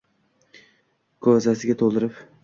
Ko’zasiga to’ldirib